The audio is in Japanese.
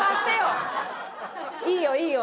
いいよいいよ。